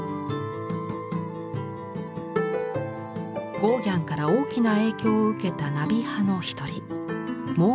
ゴーギャンから大きな影響を受けたナビ派の一人モーリス・ドニ。